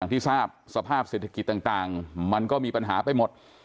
ที่ทราบสภาพเศรษฐกิจต่างมันก็มีปัญหาไปหมด